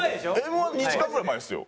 Ｍ−１の２時間ぐらい前ですよ。